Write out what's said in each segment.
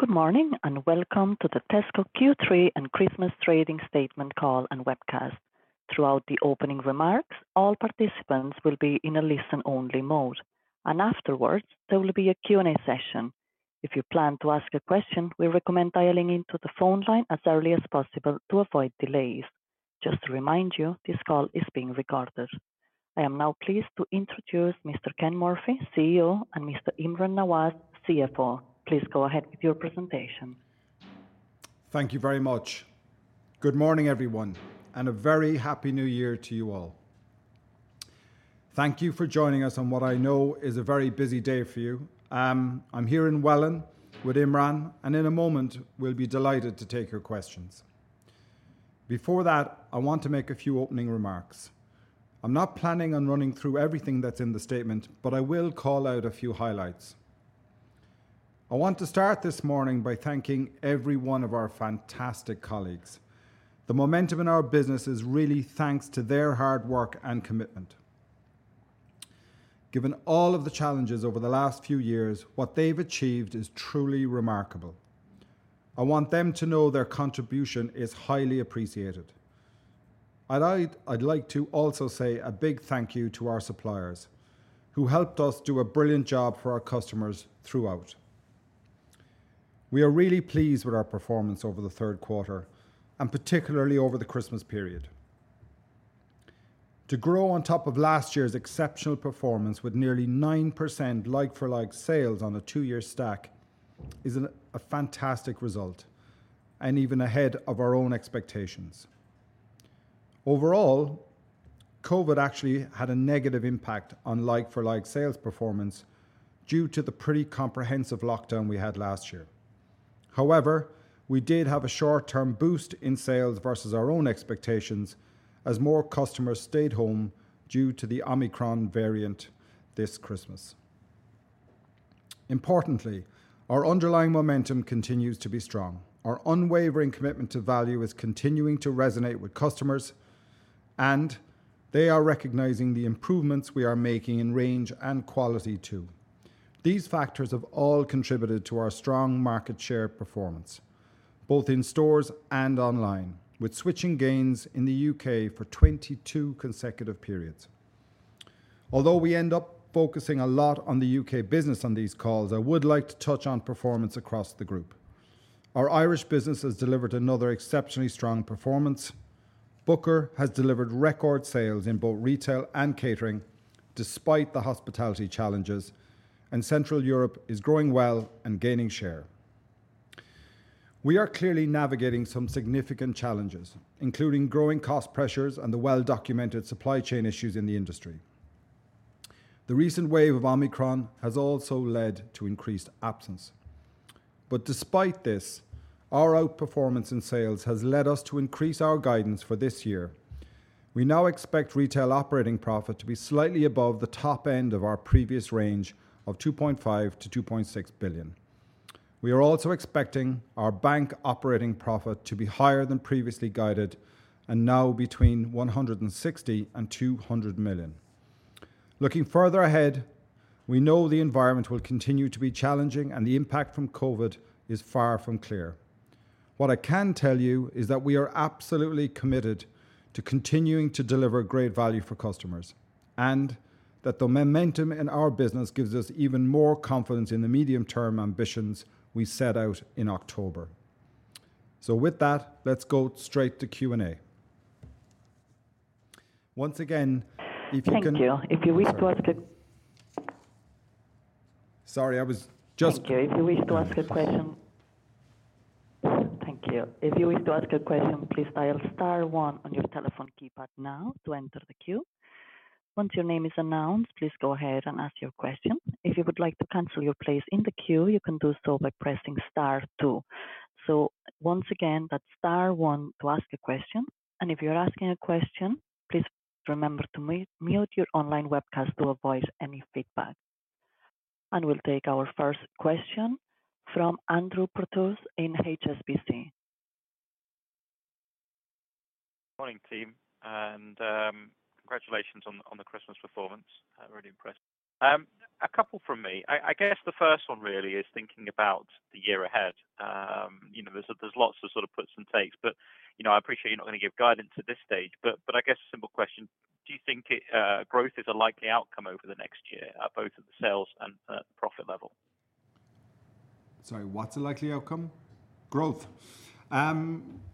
Good morning, and welcome to the Tesco Q3 and Christmas Trading Statement call and webcast. Throughout the opening remarks, all participants will be in a listen only mode, and afterwards there will be a Q&A session. If you plan to ask a question, we recommend dialing into the phone line as early as possible to avoid delays. Just to remind you, this call is being recorded. I am now pleased to introduce Mr. Ken Murphy, CEO, and Mr. Imran Nawaz, CFO. Please go ahead with your presentation. Thank you very much. Good morning, everyone, and a very happy New Year to you all. Thank you for joining us on what I know is a very busy day for you. I'm here in Welwyn with Imran, and in a moment we'll be delighted to take your questions. Before that, I want to make a few opening remarks. I'm not planning on running through everything that's in the statement, but I will call out a few highlights. I want to start this morning by thanking every one of our fantastic colleagues. The momentum in our business is really thanks to their hard work and commitment. Given all of the challenges over the last few years, what they've achieved is truly remarkable. I want them to know their contribution is highly appreciated. I'd like to also say a big thank you to our suppliers who helped us do a brilliant job for our customers throughout. We are really pleased with our performance over the third quarter, and particularly over the Christmas period. To grow on top of last year's exceptional performance with nearly 9% like-for-like sales on a two-year stack is a fantastic result and even ahead of our own expectations. Overall, COVID actually had a negative impact on like-for-like sales performance due to the pretty comprehensive lockdown we had last year. However, we did have a short term boost in sales versus our own expectations as more customers stayed home due to the Omicron variant this Christmas. Importantly, our underlying momentum continues to be strong. Our unwavering commitment to value is continuing to resonate with customers, and they are recognizing the improvements we are making in range and quality too. These factors have all contributed to our strong market share performance, both in stores and online, with switching gains in the U.K. for 22 consecutive periods. Although we end up focusing a lot on the U.K. business on these calls, I would like to touch on performance across the group. Our Irish business has delivered another exceptionally strong performance. Booker has delivered record sales in both retail and catering despite the hospitality challenges, and Central Europe is growing well and gaining share. We are clearly navigating some significant challenges, including growing cost pressures and the well-documented supply chain issues in the industry. The recent wave of Omicron has also led to increased absence. Despite this, our outperformance in sales has led us to increase our guidance for this year. We now expect retail operating profit to be slightly above the top end of our previous range of 2.5 billion-2.6 billion. We are also expecting our bank operating profit to be higher than previously guided and now between 160 million and 200 million. Looking further ahead, we know the environment will continue to be challenging and the impact from COVID is far from clear. What I can tell you is that we are absolutely committed to continuing to deliver great value for customers and that the momentum in our business gives us even more confidence in the medium-term ambitions we set out in October. With that, let's go straight to Q&A. Once again, if you can- Thank you. If you wish to ask a- Sorry, I was just. Thank you. If you wish to ask a question, please dial star one on your telephone keypad now to enter the queue. Once your name is announced, please go ahead and ask your question. If you would like to cancel your place in the queue, you can do so by pressing star two. Once again, that's star one to ask a question. If you're asking a question, please remember to mute your online webcast to avoid any feedback. We'll take our first question from Andrew Porteous in HSBC. Morning, team, and congratulations on the Christmas performance. Really impressed. A couple from me. I guess the first one really is thinking about the year ahead. You know, there's lots of sort of puts and takes, but you know, I appreciate you're not going to give guidance at this stage, but I guess a simple question, do you think growth is a likely outcome over the next year at both the sales and profit level? Sorry, what's a likely outcome? Growth? As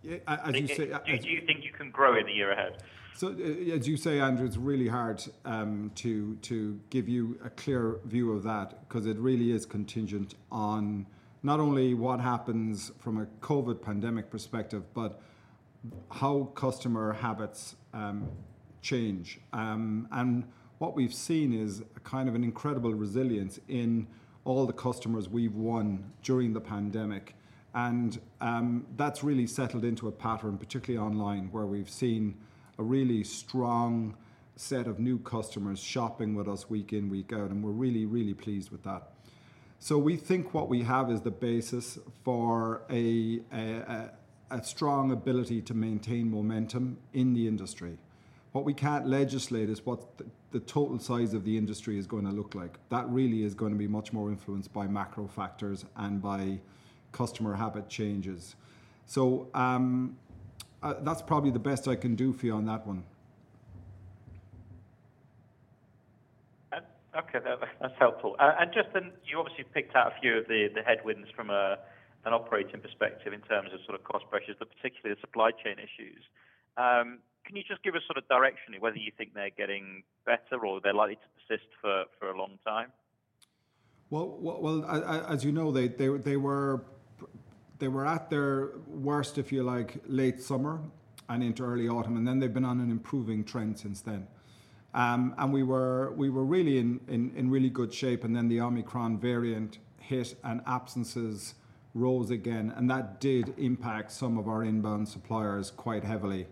you say- Do you think you can grow in the year ahead? As you say, Andrew, it's really hard to give you a clear view of that because it really is contingent on not only what happens from a COVID pandemic perspective, but how customer habits change. What we've seen is a kind of an incredible resilience in all the customers we've won during the pandemic. That's really settled into a pattern, particularly online, where we've seen a really strong set of new customers shopping with us week in, week out, and we're really, really pleased with that. We think what we have is the basis for a strong ability to maintain momentum in the industry. What we can't legislate is what the total size of the industry is going to look like. That really is going to be much more influenced by macro factors and by customer habit changes. That's probably the best I can do for you on that one. Okay. That's helpful. Just then you obviously picked out a few of the headwinds from an operating perspective in terms of sort of cost pressures, but particularly the supply chain issues. Can you just give us sort of directionally whether you think they're getting better or they're likely to persist for a long time? Well, I, as you know, they were at their worst, if you like, late summer and into early autumn, and then they've been on an improving trend since then. And we were really in really good shape, and then the Omicron variant hit, and absences rose again, and that did impact some of our inbound suppliers quite heavily.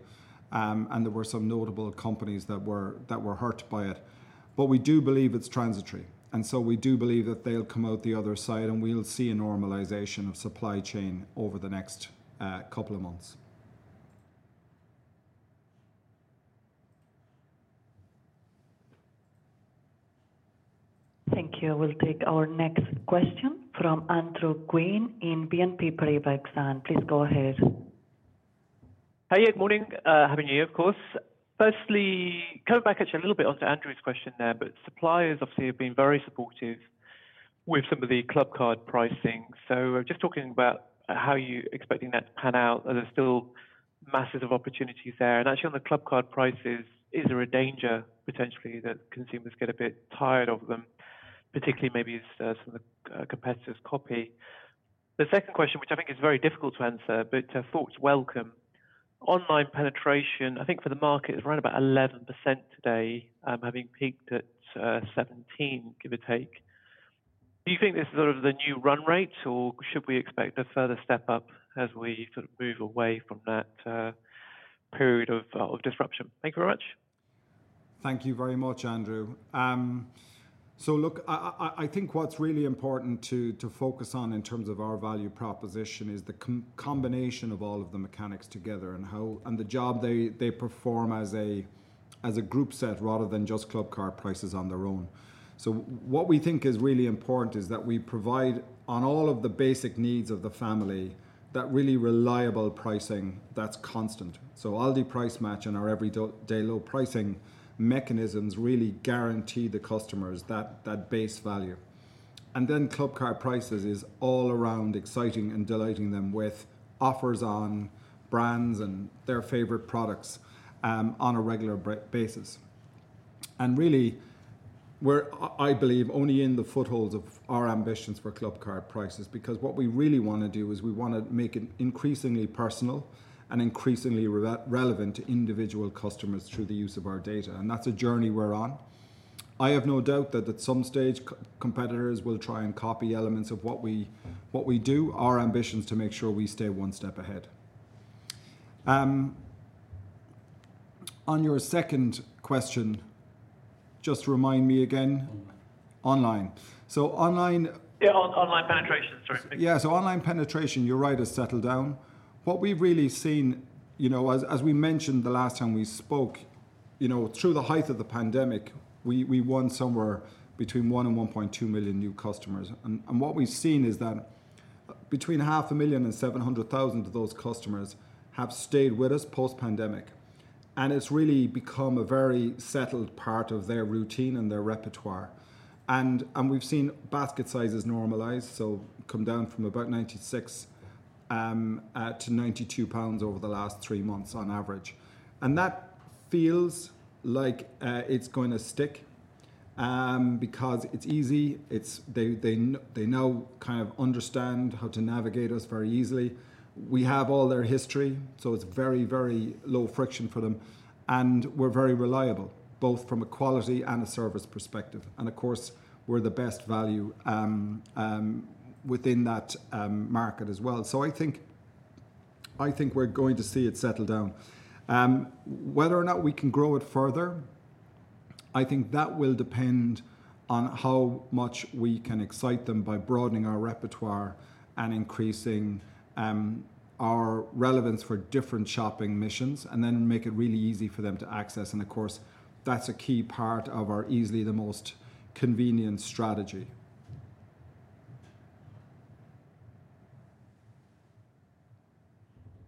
And there were some notable companies that were hurt by it. But we do believe it's transitory, and so we do believe that they'll come out the other side, and we'll see a normalization of supply chain over the next couple of months. Thank you. We'll take our next question from Andrew Gwynn in BNP Paribas Exane. Please go ahead. Hiya. Good morning. Happy new year, of course. Firstly, coming back actually a little bit onto Andrew's question there, but suppliers obviously have been very supportive with some of the Clubcard pricing. So just talking about how you're expecting that to pan out. Are there still masses of opportunities there? And actually on the Clubcard prices, is there a danger potentially that consumers get a bit tired of them, particularly maybe as some of the competitors copy? The second question, which I think is very difficult to answer, but thoughts welcome. Online penetration, I think for the market is around about 11% today, having peaked at 17, give or take. Do you think this is sort of the new run rate, or should we expect a further step up as we sort of move away from that period of disruption? Thank you very much. Thank you very much, Andrew. I think what's really important to focus on in terms of our value proposition is the combination of all of the mechanics together and how and the job they perform as a group set rather than just Clubcard Prices on their own. What we think is really important is that we provide for all of the basic needs of the family, that really reliable pricing that's constant. Aldi Price Match and our every day low pricing mechanisms really guarantee the customers that base value. Clubcard Prices is all around exciting and delighting them with offers on brands and their favorite products, on a regular basis. Really, I believe we're only in the footholds of our ambitions for Clubcard Prices, because what we really wanna do is we want to make it increasingly personal and increasingly relevant to individual customers through the use of our data, and that's a journey we're on. I have no doubt that at some stage competitors will try and copy elements of what we do. Our ambition is to make sure we stay one step ahead. On your second question, just remind me again. Online. So, online- Yeah, online penetration, sorry. Yeah, online penetration, you're right, has settled down. What we've really seen, you know, as we mentioned the last time we spoke, you know, through the height of the pandemic, we won somewhere between 1 and 1.2 million new customers. What we've seen is that between 500,000 and 700,000 of those customers have stayed with us post pandemic, and it's really become a very settled part of their routine and their repertoire. We've seen basket sizes normalize, so come down from about 96-92 pounds over the last three months on average. That feels like it's going to stick because it's easy. It's. They now kind of understand how to navigate us very easily. We have all their history, so it's very, very low friction for them, and we're very reliable, both from a quality and a service perspective. Of course, we're the best value within that market as well. I think we're going to see it settle down. Whether or not we can grow it further, I think that will depend on how much we can excite them by broadening our repertoire and increasing our relevance for different shopping missions and then make it really easy for them to access. Of course, that's a key part of our easily the most convenient strategy.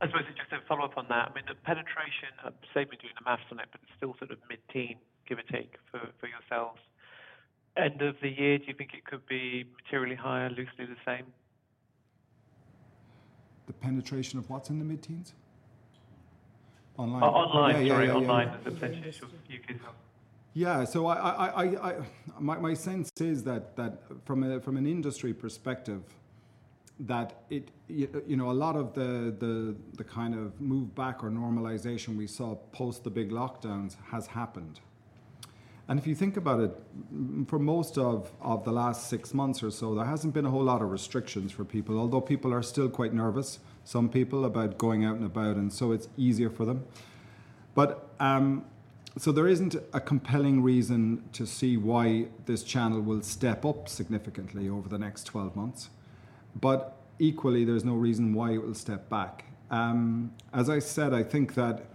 I suppose just a follow-up on that. I mean, the penetration, save me doing the math on it, but it's still sort of mid-teen, give or take, for yourselves. End of the year, do you think it could be materially higher, loosely the same? The penetration of what's in the mid-teens? Online. Online. Sorry. Yeah, yeah. Online, the penetration. If you could help. My sense is that from an industry perspective, it you know a lot of the kind of move back or normalization we saw post the big lockdowns has happened. If you think about it, for most of the last six months or so, there hasn't been a whole lot of restrictions for people. Although people are still quite nervous, some people, about going out and about, and it's easier for them. There isn't a compelling reason to see why this channel will step up significantly over the next 12 months. Equally, there's no reason why it will step back. As I said, I think that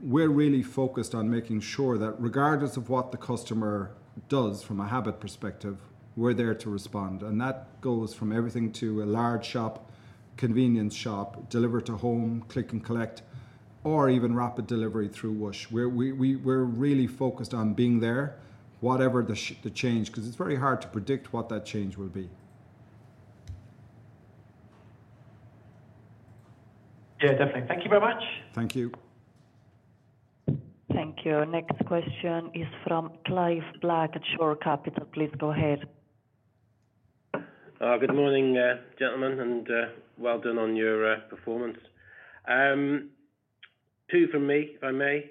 we're really focused on making sure that regardless of what the customer does from a habit perspective, we're there to respond. That goes from everything to a large shop, convenience shop, deliver to home, click and collect, or even rapid delivery through Whoosh. We're really focused on being there, whatever the change, because it's very hard to predict what that change will be. Yeah, definitely. Thank you very much. Thank you. Thank you. Next question is from Clive Black at Shore Capital. Please go ahead. Good morning, gentlemen, and well done on your performance. Two from me, if I may.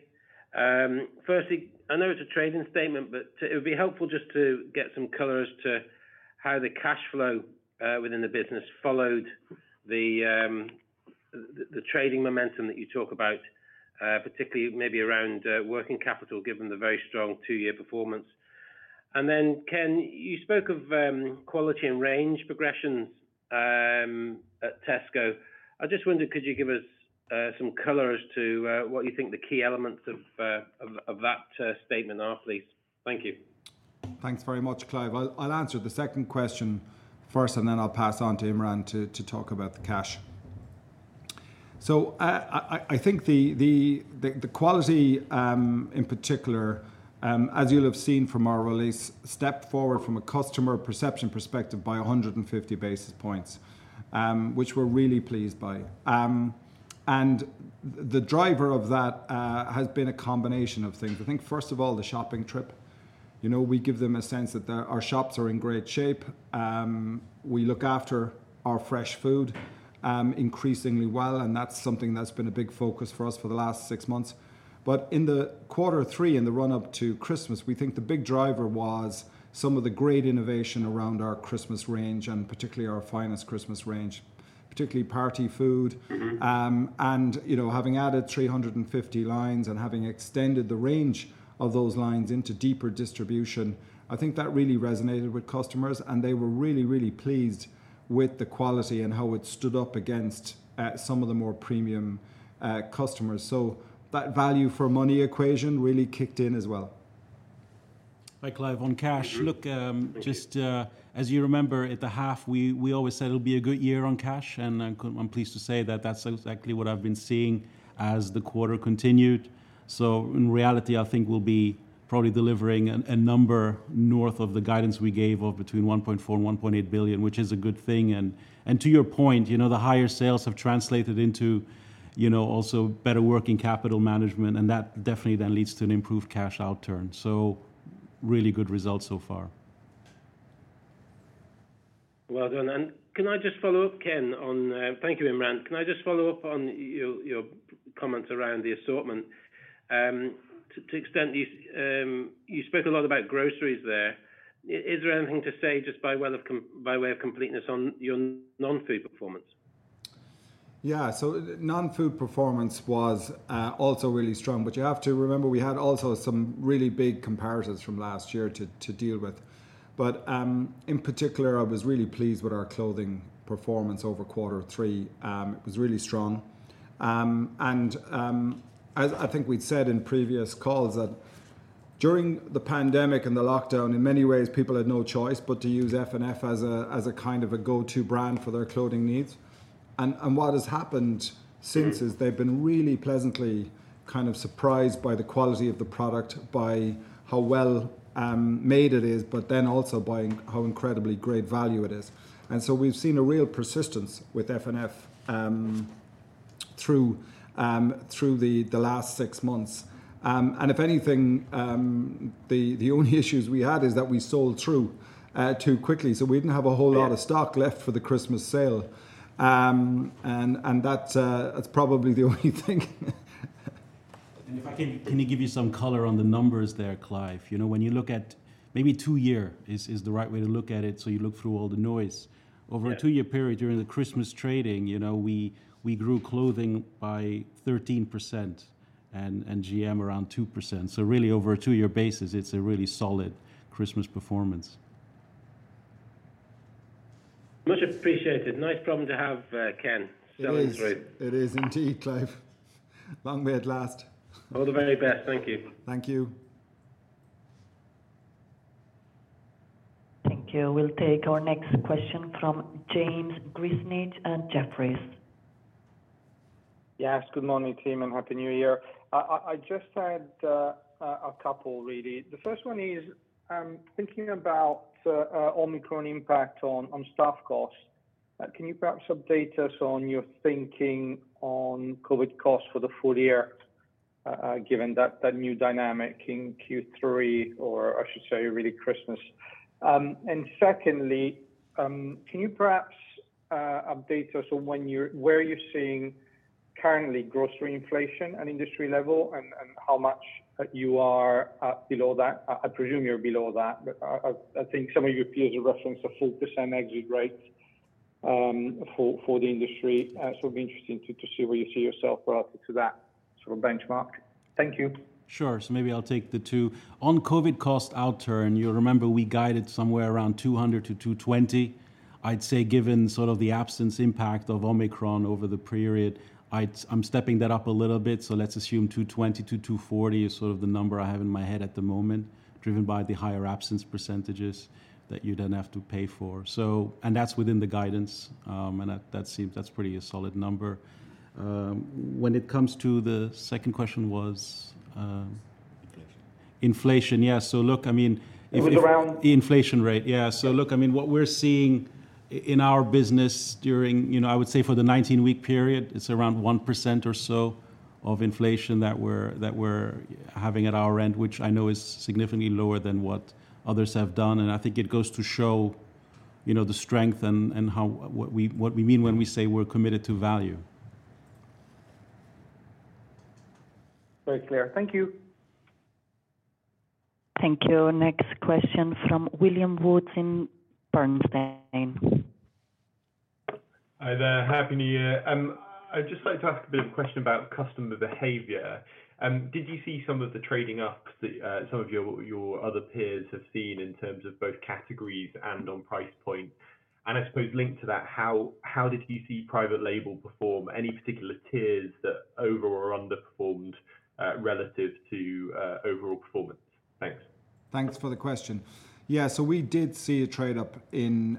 Firstly, I know it's a trading statement, but it would be helpful just to get some color as to how the cash flow within the business followed the trading momentum that you talk about, particularly maybe around working capital, given the very strong two-year performance. Then, Ken, you spoke of quality and range progressions at Tesco. I just wondered, could you give us some color as to what you think the key elements of that statement are, please? Thank you. Thanks very much, Clive. I'll answer the second question first, and then I'll pass on to Imran to talk about the cash. I think the quality, in particular, as you'll have seen from our release, stepped forward from a customer perception perspective by 150 basis points, which we're really pleased by. The driver of that has been a combination of things. I think, first of all, the shopping trip. You know, we give them a sense that our shops are in great shape. We look after our fresh food increasingly well, and that's something that's been a big focus for us for the last six months. In the quarter three, in the run-up to Christmas, we think the big driver was some of the great innovation around our Christmas range and particularly our Finest Christmas range, particularly party food. Mm-hmm. You know, having added 350 lines and having extended the range of those lines into deeper distribution, I think that really resonated with customers, and they were really, really pleased with the quality and how it stood up against some of the more premium customers. That value for money equation really kicked in as well. Hi, Clive. On cash. Mm-hmm. Look, just, as you remember, at the half, we always said it'll be a good year on cash, and I'm pleased to say that that's exactly what I've been seeing as the quarter continued. In reality, I think we'll be probably delivering a number north of the guidance we gave of between 1.4 billion and 1.8 billion, which is a good thing. To your point, you know, the higher sales have translated into, you know, also better working capital management, and that definitely then leads to an improved cash outturn. Really good results so far. Well done. Can I just follow up, Ken, on... Thank you, Imran. Can I just follow up on your comments around the assortment? To the extent you spoke a lot about groceries there. Is there anything to say just by way of completeness on your non-food performance? Yeah. Non-food performance was also really strong. You have to remember, we had also some really big comparators from last year to deal with. In particular, I was really pleased with our clothing performance over quarter three. It was really strong. As I think we'd said in previous calls that during the pandemic and the lockdown, in many ways, people had no choice but to use F&F as a kind of a go-to brand for their clothing needs. What has happened since is they've been really pleasantly kind of surprised by the quality of the product, by how well made it is, but then also by how incredibly great value it is. We've seen a real persistence with F&F through the last six months. If anything, the only issues we had is that we sold through too quickly. We didn't have a whole lot of stock left for the Christmas sale. That's probably the only thing. If I can you give us some color on the numbers there, Clive? You know, when you look at maybe two-year view is the right way to look at it, so you look through all the noise. Yeah. Over a two-year period during the Christmas trading, you know, we grew clothing by 13% and GM around 2%. Really over a two-year basis, it's a really solid Christmas performance. Much appreciated. Nice problem to have, Ken. It is. Selling through. It is indeed, Clive. Long may it last. All the very best. Thank you. Thank you. Thank you. We'll take our next question from James Grzinic at Jefferies. Yes. Good morning, team, and Happy New Year. I just had a couple, really. The first one is thinking about Omicron impact on staff costs. Can you perhaps update us on your thinking on COVID costs for the full year, given that new dynamic in Q3, or I should say really Christmas? Secondly, can you perhaps update us on where you're seeing currently grocery inflation at industry level and how much you are below that? I presume you're below that, but I think some of your peers are referencing a 4% exit rate for the industry. It'd be interesting to see where you see yourself relative to that. Sort of benchmark. Thank you. Sure. Maybe I'll take the two. On COVID cost outturn, you'll remember we guided somewhere around 200 - 220. I'd say given sort of the absence impact of Omicron over the period, I'm stepping that up a little bit. Let's assume 220-240 is sort of the number I have in my head at the moment, driven by the higher absence percentages that you then have to pay for. That's within the guidance, and that seems pretty solid. When it comes to the second question was, Inflation. Inflation. Yeah. Look, I mean, if it Is it around- The inflation rate. Yeah. Look, I mean, what we're seeing in our business during, you know, I would say for the 19-week period, it's around 1% or so of inflation that we're having at our end, which I know is significantly lower than what others have done. I think it goes to show, you know, the strength and how what we mean when we say we're committed to value. Very clear. Thank you. Thank you. Next question from William Woods, Bernstein. Hi there. Happy New Year. I'd just like to ask a bit of a question about customer behavior. Did you see some of the trading up that some of your other peers have seen in terms of both categories and on price point? I suppose linked to that, how did you see private label perform? Any particular tiers that over or underperformed relative to overall performance? Thanks. Thanks for the question. Yeah. We did see a trade up in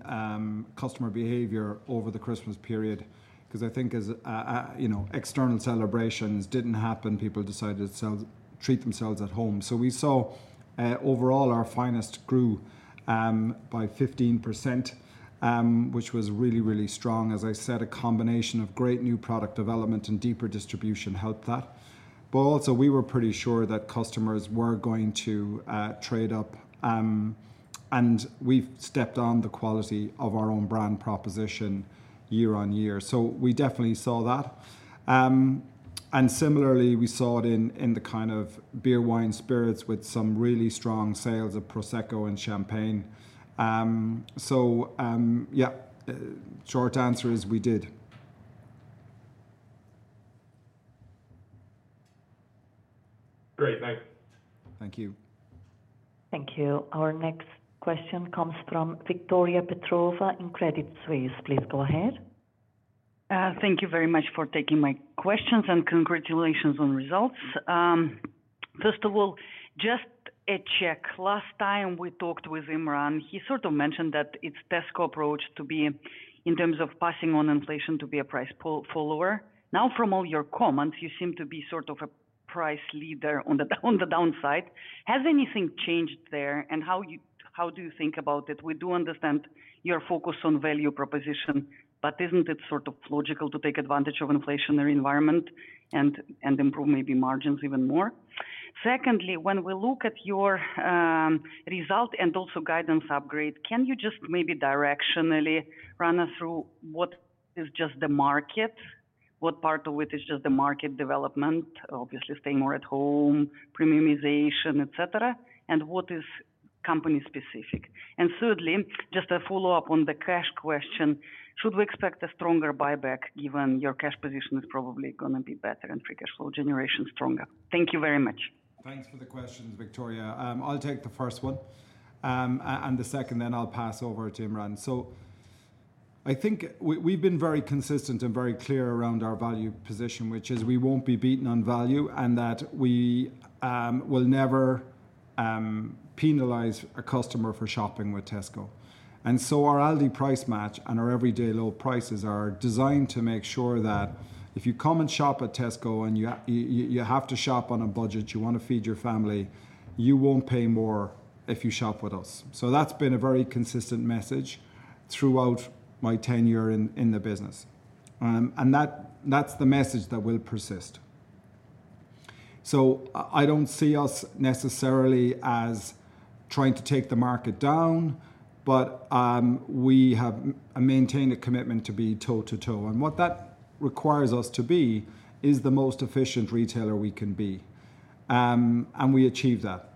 customer behavior over the Christmas period because I think as you know, external celebrations didn't happen, people decided to treat themselves at home. We saw overall our Finest grew by 15%, which was really, really strong. As I said, a combination of great new product development and deeper distribution helped that. Also, we were pretty sure that customers were going to trade up, and we've stepped on the quality of our own brand proposition year-on-year. We definitely saw that. And similarly, we saw it in the kind of beer, wine, spirits with some really strong sales of prosecco and champagne. Yeah, short answer is we did. Great. Thanks. Thank you. Thank you. Our next question comes from Victoria Petrova in Credit Suisse. Please go ahead. Thank you very much for taking my questions, and congratulations on results. First of all, just a check. Last time we talked with Imran, he sort of mentioned that it's Tesco approach to be, in terms of passing on inflation, to be a price follower. Now, from all your comments, you seem to be sort of a price leader on the, on the downside. Has anything changed there? How do you think about it? We do understand your focus on value proposition, but isn't it sort of logical to take advantage of inflationary environment and improve maybe margins even more? Secondly, when we look at your result and also guidance upgrade, can you just maybe directionally run us through what is just the market? What part of it is just the market development, obviously staying more at home, premiumization, et cetera, and what is company specific? Thirdly, just a follow-up on the cash question. Should we expect a stronger buyback given your cash position is probably gonna be better and free cash flow generation stronger? Thank you very much. Thanks for the questions, Victoria. I'll take the first one and the second, then I'll pass over to Imran. I think we've been very consistent and very clear around our value position, which is we won't be beaten on value and that we will never penalize a customer for shopping with Tesco. Our Aldi Price Match and our everyday low prices are designed to make sure that if you come and shop at Tesco and you have to shop on a budget, you want to feed your family, you won't pay more if you shop with us. That's been a very consistent message throughout my tenure in the business. That's the message that will persist. I don't see us necessarily as trying to take the market down, but we have maintained a commitment to be toe-to-toe, and what that requires us to be is the most efficient retailer we can be. We achieve that.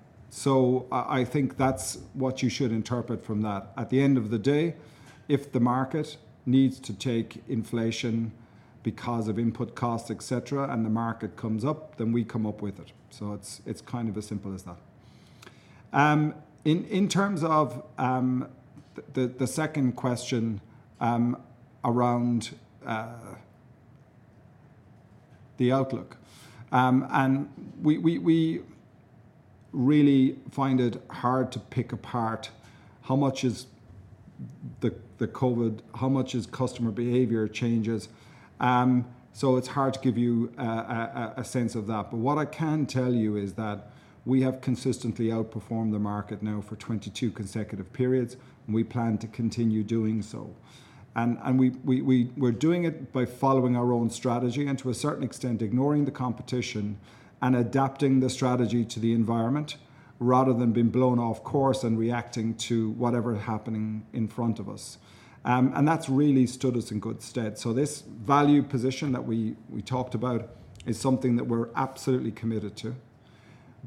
I think that's what you should interpret from that. At the end of the day, if the market needs to take inflation because of input costs, et cetera, and the market comes up, then we come up with it. It's kind of as simple as that. In terms of the second question around the outlook, we really find it hard to pick apart how much is the COVID, how much is customer behavior changes. It's hard to give you a sense of that. what I can tell you is that we have consistently outperformed the market now for 22 consecutive periods, and we plan to continue doing so. We're doing it by following our own strategy and to a certain extent, ignoring the competition and adapting the strategy to the environment rather than being blown off course and reacting to whatever happening in front of us. That's really stood us in good stead. This value position that we talked about is something that we're absolutely committed to.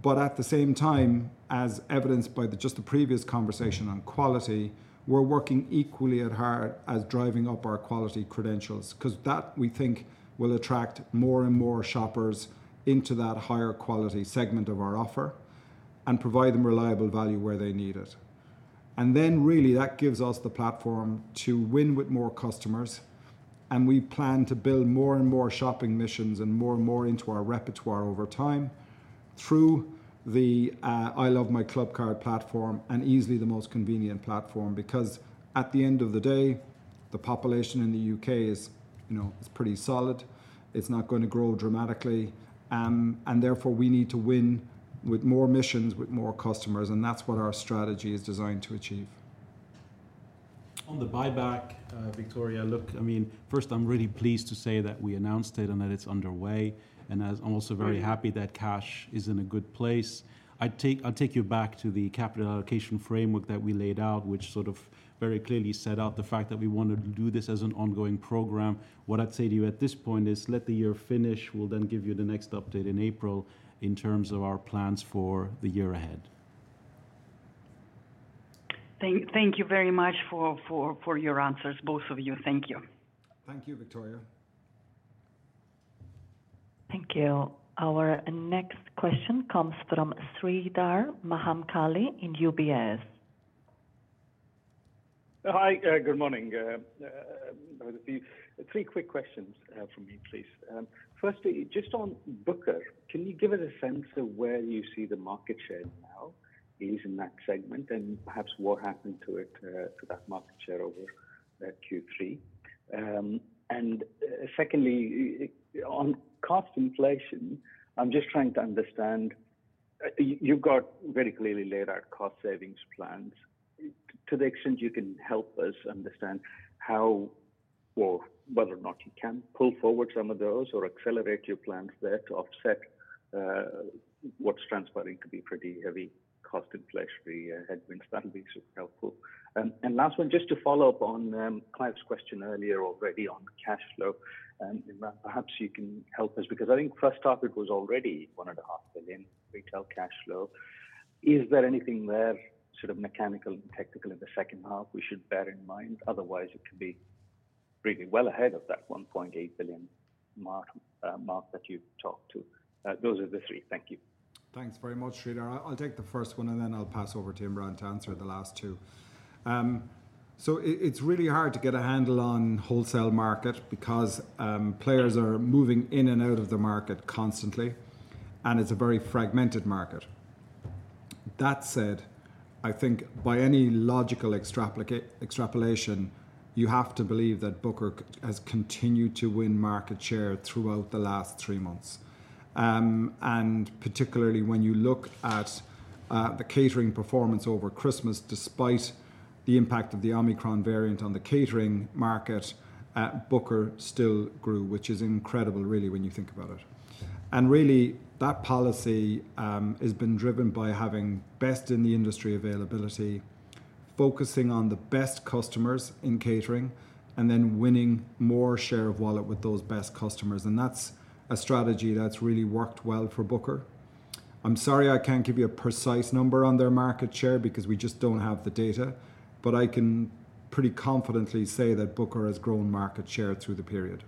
At the same time, as evidenced by the previous conversation on quality, we're working equally as hard as driving up our quality credentials, 'cause that we think will attract more and more shoppers into that higher quality segment of our offer and provide them reliable value where they need it. Really that gives us the platform to win with more customers, and we plan to build more and more shopping missions and more and more into our repertoire over time through the I Love My Clubcard platform and easily the most convenient platform. Because at the end of the day, the population in the U.K. is, you know, is pretty solid. It's not gonna grow dramatically, and therefore, we need to win with more missions, with more customers, and that's what our strategy is designed to achieve. On the buyback, Victoria, look, I mean, first I'm really pleased to say that we announced it and that it's underway, and I'm also very happy that cash is in a good place. I'll take you back to the capital allocation framework that we laid out, which sort of very clearly set out the fact that we wanted to do this as an ongoing program. What I'd say to you at this point is let the year finish. We'll then give you the next update in April in terms of our plans for the year ahead. Thank you very much for your answers, both of you. Thank you. Thank you, Victoria. Thank you. Our next question comes from Sreedhar Mahamkali in UBS. Hi. Good morning. Three quick questions from me, please. Firstly, just on Booker, can you give us a sense of where you see the market share now is in that segment, and perhaps what happened to it, to that market share over Q3? Secondly, on cost inflation, I'm just trying to understand, you've got very clearly laid out cost savings plans. To the extent you can help us understand how or whether or not you can pull forward some of those or accelerate your plans there to offset what's transpiring to be pretty heavy cost inflationary headwinds. That'll be super helpful. Last one, just to follow up on Clive's question earlier already on cash flow. Perhaps you can help us because I think first topic was already 1.5 billion retail cash flow. Is there anything there sort of mechanical and technical in the second half we should bear in mind? Otherwise, it could be really well ahead of that 1.8 billion mark that you talked to. Those are the three. Thank you. Thanks very much, Sreedhar. I'll take the first one, and then I'll pass over to Imran to answer the last two. It's really hard to get a handle on wholesale market because players are moving in and out of the market constantly, and it's a very fragmented market. That said, I think by any logical extrapolation, you have to believe that Booker has continued to win market share throughout the last three months. Particularly when you look at the catering performance over Christmas, despite the impact of the Omicron variant on the catering market, Booker still grew, which is incredible really when you think about it. Really, that policy has been driven by having best in the industry availability, focusing on the best customers in catering, and then winning more share of wallet with those best customers. That's a strategy that's really worked well for Booker. I'm sorry I can't give you a precise number on their market share because we just don't have the data. I can pretty confidently say that Booker has grown market share through the period.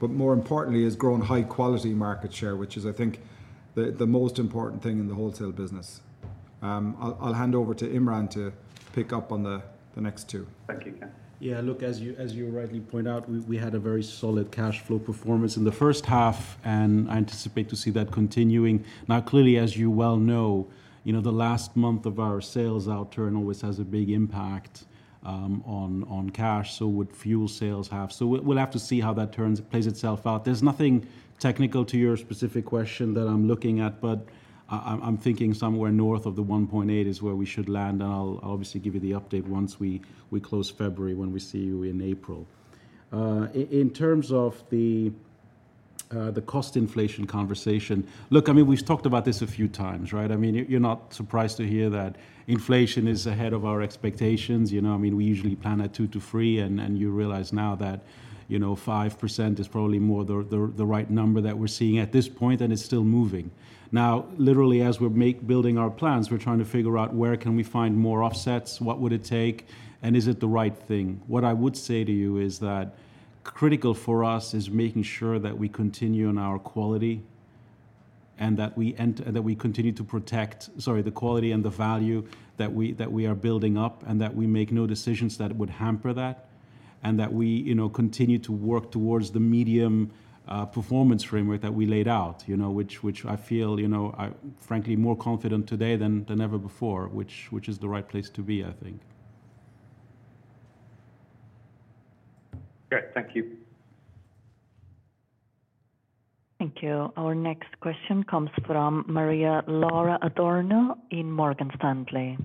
More importantly, has grown high quality market share, which is I think the most important thing in the wholesale business. I'll hand over to Imran to pick up on the next two. Thank you. Yeah. Look, as you rightly point out, we had a very solid cash flow performance in the first half, and I anticipate to see that continuing. Now, clearly, as you well know, you know, the last month of our sales outturn always has a big impact on cash. So we'll have to see how that turns, plays itself out. There's nothing technical to your specific question that I'm looking at, but I'm thinking somewhere north of the 1.8 is where we should land. I'll obviously give you the update once we close February when we see you in April. In terms of the cost inflation conversation. Look, I mean, we've talked about this a few times, right? I mean, you're not surprised to hear that inflation is ahead of our expectations. You know, I mean, we usually plan at 2%-3% and you realize now that, you know, 5% is probably more the right number that we're seeing at this point, and it's still moving. Now, literally as we're building our plans, we're trying to figure out where can we find more offsets, what would it take, and is it the right thing? What I would say to you is that critical for us is making sure that we continue on our quality and we continue to protect, sorry, the quality and the value that we are building up, and that we make no decisions that would hamper that, and that we, you know, continue to work towards the medium performance framework that we laid out. You know, which I feel, you know, I frankly more confident today than ever before, which is the right place to be, I think. Great. Thank you. Thank you. Our next question comes from Maria-Laura Adurno in Morgan Stanley.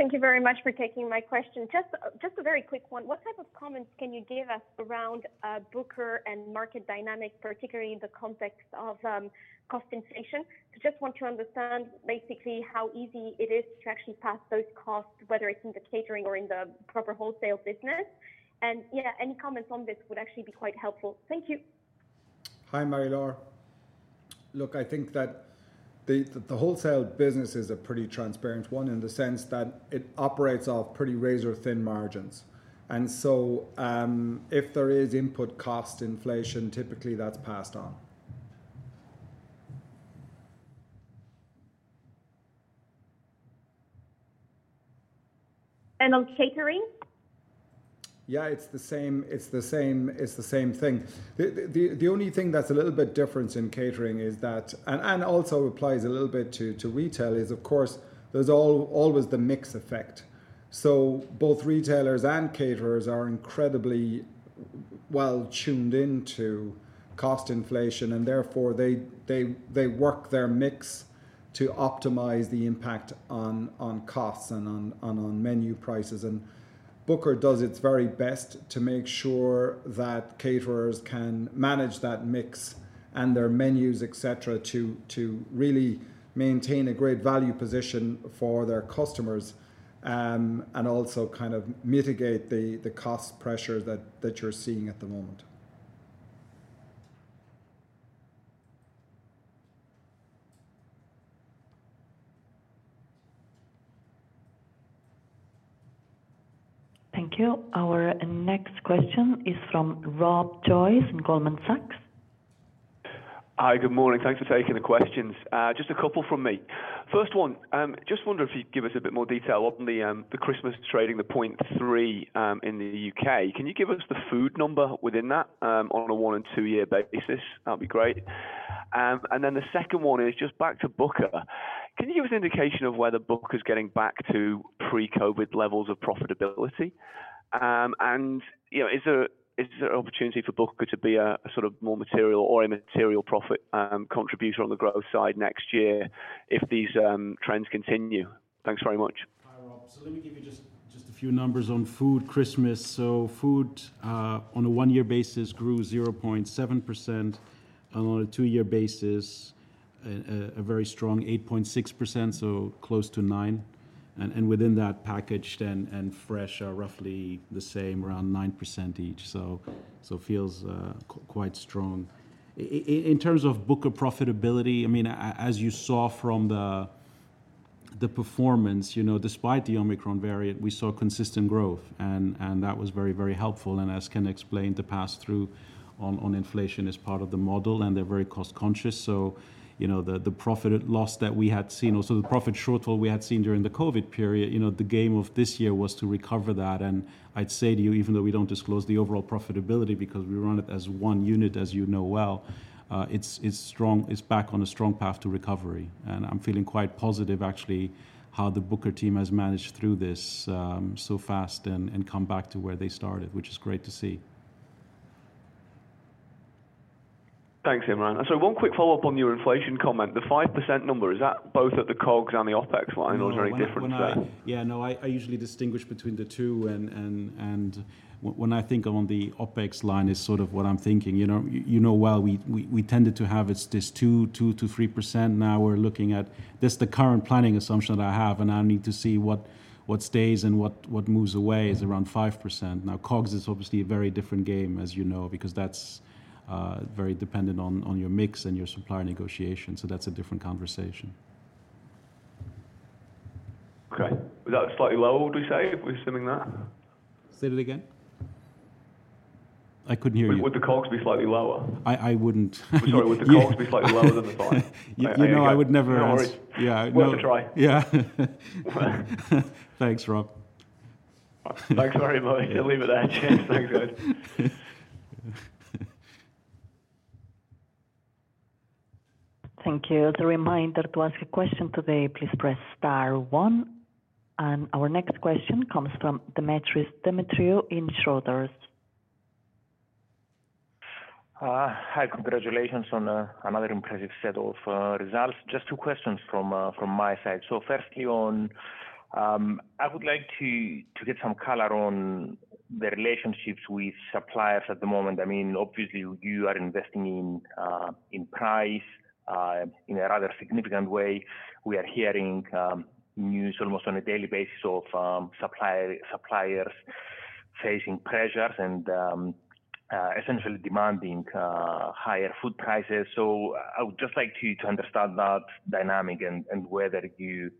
Thank you very much for taking my question. Just a very quick one. What type of comments can you give us around Booker and market dynamics, particularly in the context of cost inflation? Just want to understand basically how easy it is to actually pass those costs, whether it's in the catering or in the proper wholesale business. Yeah, any comments on this would actually be quite helpful. Thank you. Hi, Maria-Laura. Look, I think that the wholesale business is a pretty transparent one in the sense that it operates off pretty razor-thin margins. If there is input cost inflation, typically that's passed on. On catering? Yeah, it's the same thing. The only thing that's a little bit different in catering is that, and also applies a little bit to retail, is, of course, there's always the mix effect. Both retailers and caterers are incredibly well tuned into cost inflation and therefore they work their mix to optimize the impact on costs and on menu prices. Booker does its very best to make sure that caterers can manage that mix and their menus, et cetera, to really maintain a great value position for their customers, and also kind of mitigate the cost pressure that you're seeing at the moment. Thank you. Our next question is from Rob Joyce in Goldman Sachs. Hi, good morning. Thanks for taking the questions. Just a couple from me. First one, just wonder if you'd give us a bit more detail on the Christmas trading, the 0.3 in the U.K. Can you give us the food number within that, on a one-year and two-year basis? That'd be great. And then the second one is just back to Booker. Can you give us an indication of whether Booker is getting back to pre-COVID levels of profitability? And, you know, is there an opportunity for Booker to be a sort of more material or a material profit contributor on the growth side next year if these trends continue? Thanks very much. Hi, Rob. Let me give you just a few numbers on food Christmas. Food, on a one-year basis grew 0.7%. On a two-year basis, a very strong 8.6%, so close to nine. Within that packaged and fresh are roughly the same, around 9% each. Feels quite strong. In terms of Booker profitability, I mean, as you saw from the performance, you know, despite the Omicron variant, we saw consistent growth and that was very helpful. As Ken explained, the pass-through on inflation is part of the model, and they're very cost conscious. You know, the profit loss that we had seen, also the profit shortfall we had seen during the COVID period, you know, the aim of this year was to recover that. I'd say to you, even though we don't disclose the overall profitability because we run it as one unit as you know well, it's strong. It's back on a strong path to recovery. I'm feeling quite positive actually how the Booker team has managed through this, so fast and come back to where they started, which is great to see. Thanks, Imran. One quick follow-up on your inflation comment. The 5% number, is that both at the COGS and the OpEx line or is there any difference there? No. I usually distinguish between the two and when I think I'm on the OpEx line is sort of what I'm thinking. You know, well we tended to have it's this 2%-3% now we're looking at. That's the current planning assumption that I have, and I need to see what stays and what moves away is around 5%. Now, COGS is obviously a very different game, as you know, because that's very dependent on your mix and your supplier negotiation. So that's a different conversation. Okay. Is that slightly lower, would you say, if we're assuming that? Say that again. I couldn't hear you. Would the COGS be slightly lower? I wouldn't. Sorry. Would the COGS be slightly lower than the five? You know I would never. No worries. Yeah. No. Worth a try. Yeah. Thanks, Rob. Thanks very much. We'll leave it at that. Thanks very much. Thank you. As a reminder to ask a question today, please press star one. Our next question comes from Demetris Demetriou in Schroders. Hi. Congratulations on another impressive set of results. Just two questions from my side. First, I would like to get some color on the relationships with suppliers at the moment. I mean, obviously you are investing in price in a rather significant way. We are hearing news almost on a daily basis of suppliers facing pressures and essentially demanding higher food prices. I would just like to understand that dynamic and whether you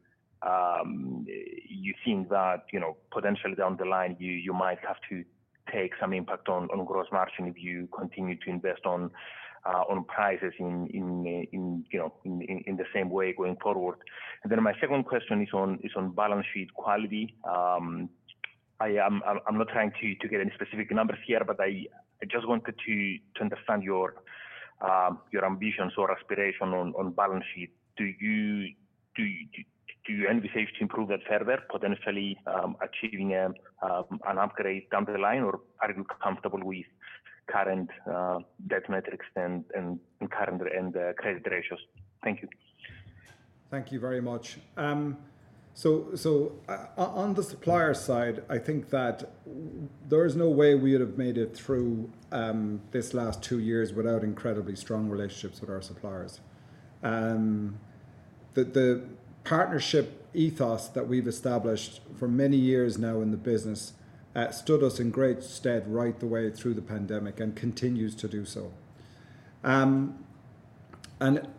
think that, you know, potentially down the line you might have to take some impact on gross margin if you continue to invest on prices in the same way going forward. My second question is on balance sheet quality. I'm not trying to get any specific numbers here, but I just wanted to understand your ambitions or aspiration on balance sheet. Do you envisage to improve that further, potentially achieving an upgrade down the line, or are you comfortable with current debt metrics and current and credit ratios? Thank you. Thank you very much. On the supplier side, I think that there is no way we would have made it through this last two years without incredibly strong relationships with our suppliers. The partnership ethos that we've established for many years now in the business stood us in great stead right the way through the pandemic and continues to do so.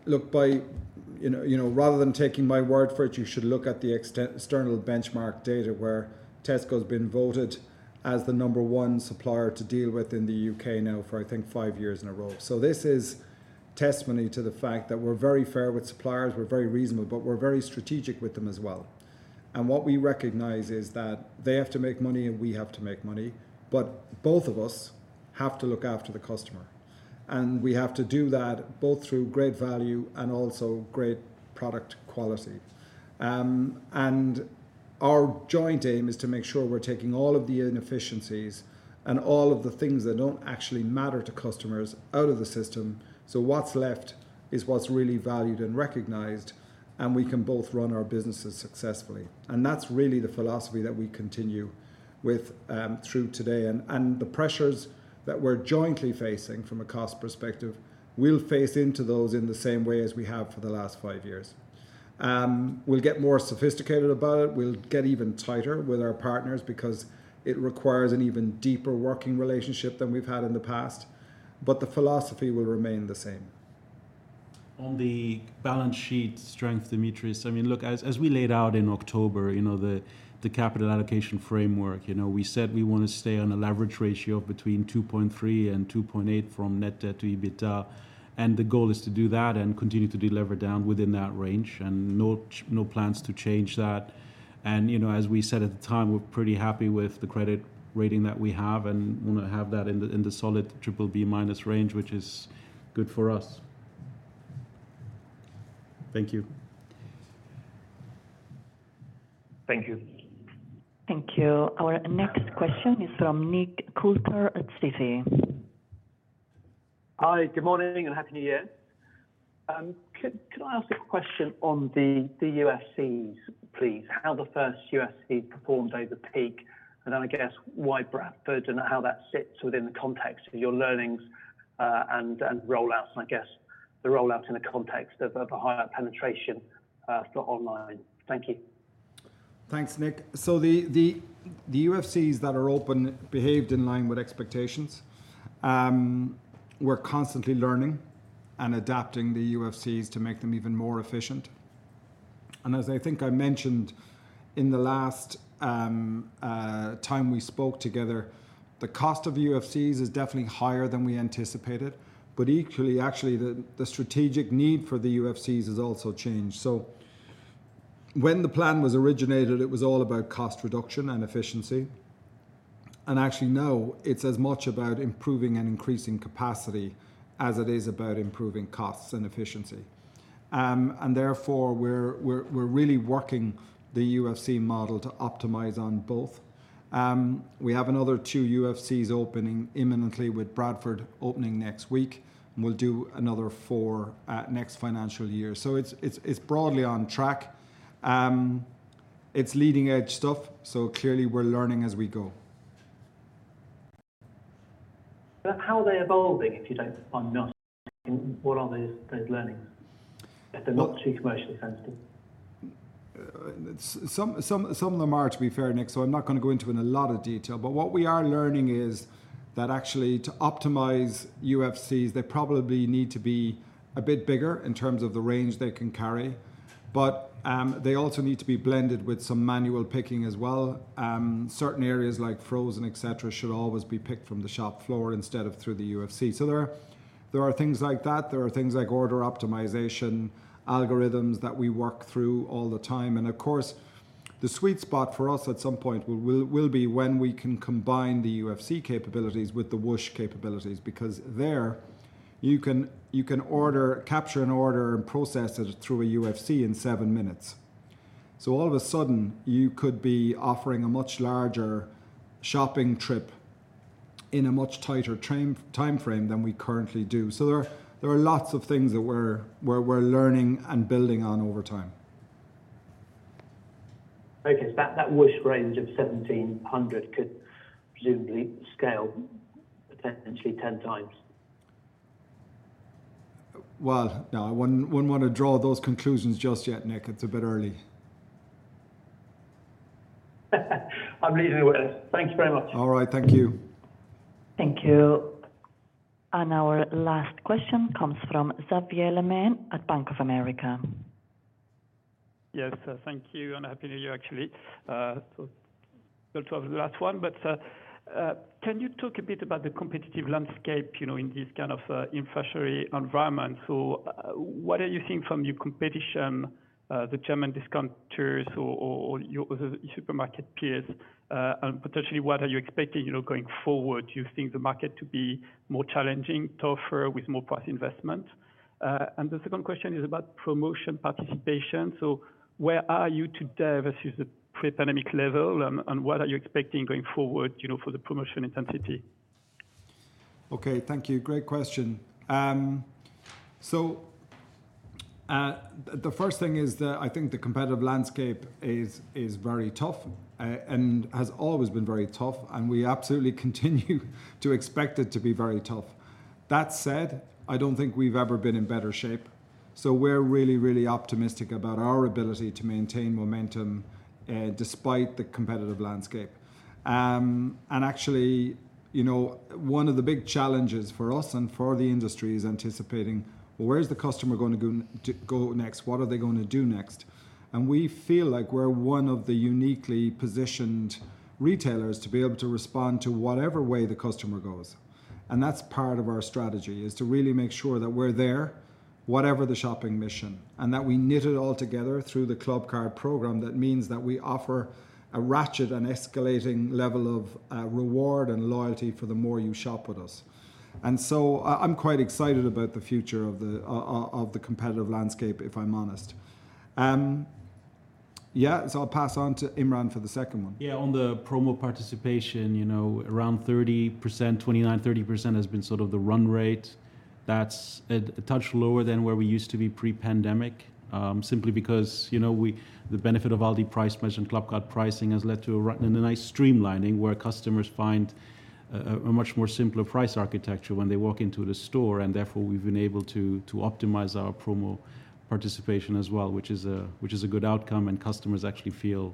Look, by you know rather than taking my word for it, you should look at the external benchmark data where Tesco's been voted as the number one supplier to deal with in the U.K. now for, I think, five years in a row. This is testimony to the fact that we're very fair with suppliers, we're very reasonable, but we're very strategic with them as well. What we recognize is that they have to make money and we have to make money, but both of us have to look after the customer. We have to do that both through great value and also great product quality. Our joint aim is to make sure we're taking all of the inefficiencies and all of the things that don't actually matter to customers out of the system, so what's left is what's really valued and recognized, and we can both run our businesses successfully. That's really the philosophy that we continue with, through today and the pressures that we're jointly facing from a cost perspective, we'll face into those in the same way as we have for the last five years. We'll get more sophisticated about it. We'll get even tighter with our partners because it requires an even deeper working relationship than we've had in the past. The philosophy will remain the same. On the balance sheet strength, Demetris, I mean, look, as we laid out in October, you know, the capital allocation framework, you know, we said we wanna stay on a leverage ratio of between 2.3-2.8 from net debt to EBITDA. The goal is to do that and continue to delever down within that range, and no plans to change that. You know, as we said at the time, we're pretty happy with the credit rating that we have, and wanna have that in the solid BBB- range, which is good for us. Thank you. Thank you. Thank you. Our next question is from Nick Coulter at Citi. Hi, good morning, and Happy New Year. Could I ask a question on the UFCs, please? How the first UFC performed over peak, and then I guess why Bradford and how that sits within the context of your learnings, and rollouts, and I guess the rollouts in the context of a higher penetration for online. Thank you. Thanks, Nick. The UFCs that are open behaved in line with expectations. We're constantly learning and adapting the UFCs to make them even more efficient. As I think I mentioned in the last time we spoke together, the cost of UFCs is definitely higher than we anticipated, but equally actually the strategic need for the UFCs has also changed. When the plan was originated, it was all about cost reduction and efficiency. Actually now, it's as much about improving and increasing capacity as it is about improving costs and efficiency. Therefore, we're really working the UFC model to optimize on both. We have another two UFCs opening imminently with Bradford opening next week, and we'll do another four next financial year. It's broadly on track. It's leading edge stuff, so clearly we're learning as we go. How are they evolving, if you don't mind not sharing? What are those learnings? If they're not too commercially sensitive. Some of them are, to be fair, Nick, so I'm not gonna go into a lot of detail. What we are learning is that actually to optimize UFCs, they probably need to be a bit bigger in terms of the range they can carry. They also need to be blended with some manual picking as well. Certain areas like frozen, et cetera, should always be picked from the shop floor instead of through the UFC. There are things like that. There are things like order optimization algorithms that we work through all the time. Of course, the sweet spot for us at some point will be when we can combine the UFC capabilities with the Whoosh capabilities, because there you can order, capture an order and process it through a UFC in seven minutes. All of a sudden you could be offering a much larger shopping trip in a much tighter timeframe than we currently do. There are lots of things that we're learning and building on over time. Okay. That Whoosh range of 1,700 could presumably scale potentially 10 times. Well, no, I wouldn't want to draw those conclusions just yet, Nick. It's a bit early. I'm leaving well. Thanks very much. All right. Thank you. Thank you. Our last question comes from Xavier Le Mené at Bank of America. Yes. Thank you, and Happy New Year, actually. Good to have the last one. Can you talk a bit about the competitive landscape, you know, in this kind of inflationary environment? What are you seeing from your competition, the German discounters or your other supermarket peers? And potentially, what are you expecting, you know, going forward? Do you think the market to be more challenging, tougher with more price investment? And the second question is about promotion participation. Where are you today versus the pre-pandemic level, and what are you expecting going forward, you know, for the promotion intensity? Okay. Thank you. Great question. The first thing is that I think the competitive landscape is very tough, and has always been very tough, and we absolutely continue to expect it to be very tough. That said, I don't think we've ever been in better shape. We're really, really optimistic about our ability to maintain momentum, despite the competitive landscape. Actually, you know, one of the big challenges for us and for the industry is anticipating, well, where is the customer going to go next? What are they going to do next? We feel like we're one of the uniquely positioned retailers to be able to respond to whatever way the customer goes. That's part of our strategy, is to really make sure that we're there, whatever the shopping mission, and that we knit it all together through the Clubcard program. That means that we offer a ratchet and escalating level of reward and loyalty for the more you shop with us. I'm quite excited about the future of the competitive landscape, if I'm honest. I'll pass on to Imran for the second one. Yeah, on the promo participation, you know, around 30%, 29%-30% has been sort of the run rate. That's at a touch lower than where we used to be pre-pandemic, simply because, you know, the benefit of Aldi Price Match and Clubcard pricing has led to a nice streamlining where customers find a much more simpler price architecture when they walk into the store, and therefore we've been able to optimize our promo participation as well, which is a good outcome, and customers actually feel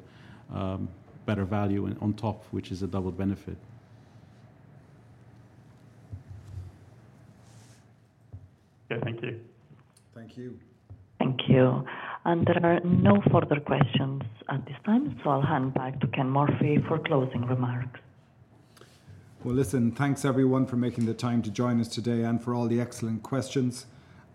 better value on top, which is a double benefit. Okay, thank you. Thank you. Thank you. There are no further questions at this time, so I'll hand back to Ken Murphy for closing remarks. Well, listen, thanks everyone for making the time to join us today and for all the excellent questions.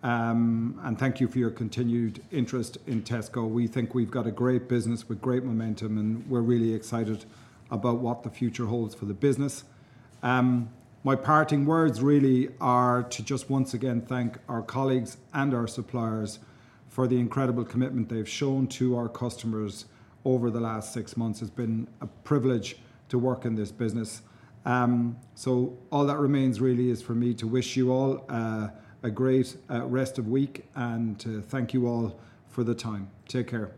Thank you for your continued interest in Tesco. We think we've got a great business with great momentum, and we're really excited about what the future holds for the business. My parting words really are to just once again thank our colleagues and our suppliers for the incredible commitment they've shown to our customers over the last six months. It's been a privilege to work in this business. All that remains really is for me to wish you all a great rest of week and to thank you all for the time. Take care.